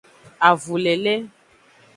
Avulele.